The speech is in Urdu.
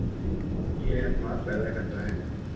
یہ اعتماد پیدا کرتا ہے